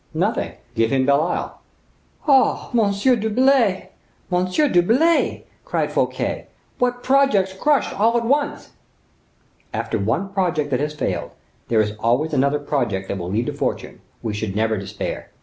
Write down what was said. "Nothing; give him Belle Isle." "Oh! Monsieur d'Herblay! Monsieur d'Herblay," cried Fouquet, "what projects crushed all at once!" "After one project that has failed, there is always another project that may lead to fortune; we should never despair.